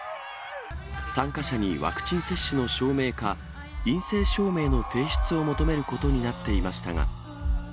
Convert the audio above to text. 参加者にワクチン接種の証明か、陰性証明の提出を求めることになっていましたが。